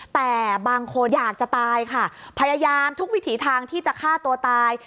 แต่บางคนอยากจะตายค่ะพยายามทุกวิถีทางที่จะฆ่าตัวตาย